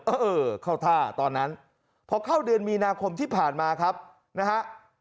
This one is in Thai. เออเข้าท่าตอนนั้นพอเข้าเดือนมีนาคมที่ผ่านมาครับนะฮะ